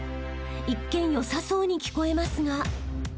［一見よさそうに聞こえますが］